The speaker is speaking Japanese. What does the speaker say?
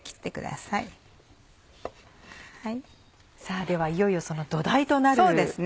さぁではいよいよその土台となるごはんですね。